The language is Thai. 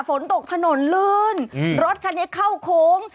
ฝนตกถนนลื่นรถคันนี้เข้าโค้ง